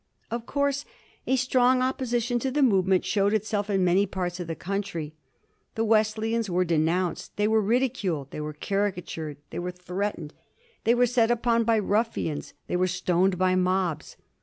Of course a strong opposition to the movement showed itself in many parts of the country. The Wesleyans were denounced; they were ridiculed; they were caricatured; they were threatened; they were set upon by ruffians; they were stoned by mobs.